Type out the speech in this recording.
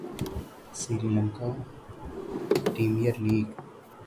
Sri Lanka Premier League